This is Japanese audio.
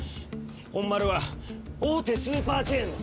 本丸は大手スーパーチェーンの